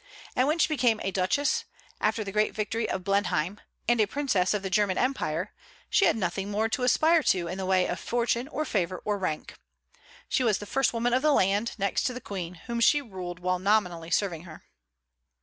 And when she became duchess, after the great victory of Blenheim, and a princess of the German Empire, she had nothing more to aspire to in the way of fortune or favor or rank. She was the first woman of the land, next to the Queen, whom she ruled while nominally serving her.